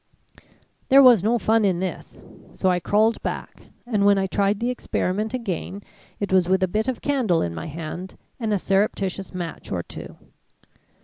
"There was no fun in this, so I crawled back and when I tried the experiment again, it was with a bit of candle in my hand, and a surreptitious match or two.